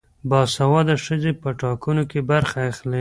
باسواده ښځې په ټاکنو کې برخه اخلي.